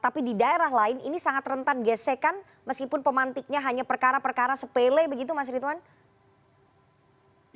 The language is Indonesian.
tapi di daerah lain ini sangat rentan gesekan meskipun pemantiknya hanya perkara perkara sepele begitu mas ritwan